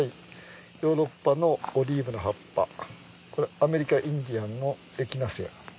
ヨーロッパのオリーブの葉っぱアメリカインディアンのエキナセア。